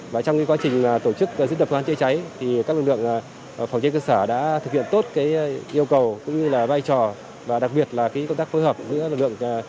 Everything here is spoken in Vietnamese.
và trong quá trình tổ chức diễn tập phương án chữa cháy thì các lực lượng phòng cháy cơ sở đã thực hiện tốt yêu cầu cũng như là vai trò và đặc biệt là công tác phối hợp giữa lực lượng